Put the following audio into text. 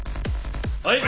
はい。